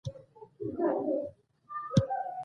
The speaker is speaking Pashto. ایا هلته څوک ناروغ و؟